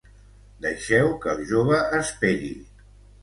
Deixeu que el jove esperi.